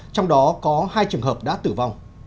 trong đó có hai trường hợp đã tử vong